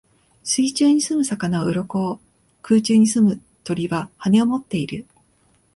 水中に棲む魚は鰭を、空中に棲む鳥は翅をもっている。